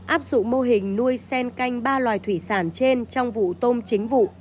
áp dụng mô hình nuôi sen canh ba loài thủy sản trên trong vụ tôm chính vụ